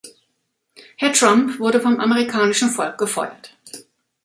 Herr Trump wurde vom amerikanischen Volk gefeuert.